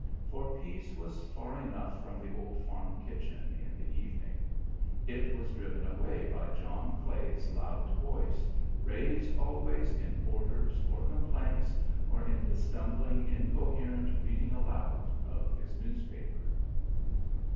For peace was far enough from the old farm kitchen in the evening. It was driven away by John Clay's loud voice, raised always in orders or complaints, or in the stumbling, incoherent reading aloud of his newspaper.